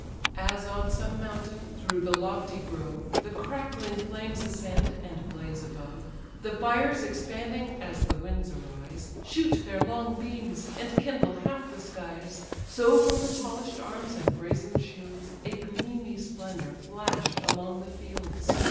As on some mountain, through the lofty grove, The crackling flames ascend, and blaze above; The fires expanding, as the winds arise, Shoot their long beams, and kindle half the skies: So from the polish'd arms, and brazen shields, A gleamy splendour flash'd along the fields.